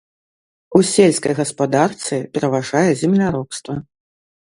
У сельскай гаспадарцы пераважае земляробства.